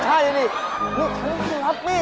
ใช่นี่นี่พี่ถึงครับพี่